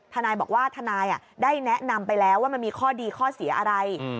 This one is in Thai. ทนายบอกว่าทนายได้แนะนำไปแล้วว่ามันมีข้อดีข้อเสียอะไร